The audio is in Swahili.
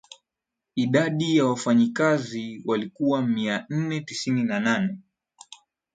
idadi ya wafanyakazi walikuwa mia nane tisini na nane